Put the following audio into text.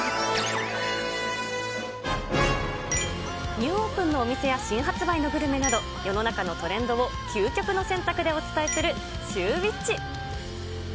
ニューオープンのお店や、新発売のグルメなど、世の中のトレンドを究極の選択でお伝えするシューＷｈｉｃｈ。